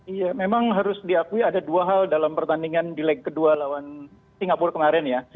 iya memang harus diakui ada dua hal dalam pertandingan di leg kedua lawan singapura kemarin ya